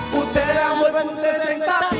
putih rambut besi tetapi